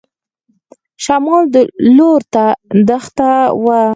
شمال لور ته دښته وه.